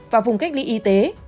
và vùng cách ly y tế